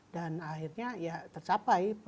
dan akhirnya ya tercapai